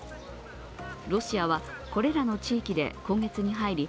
ロシアは、これらの地域で今月に入り